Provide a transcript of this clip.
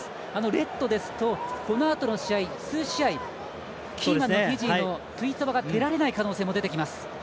レッドですと、このあとの数試合キーマンのテュイソバが出られない可能性も出てきます。